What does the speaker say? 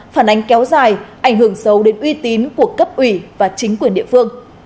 phản ánh kéo dài ảnh hưởng sâu đến uy tín của cấp ủy và chính quyền địa phương